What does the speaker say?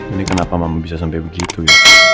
ini kenapa mama bisa sampai begitu ya